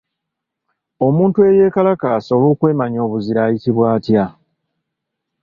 Omuntu eyeekalakaasa olw’okwemanya obuzira ayitibwa atya?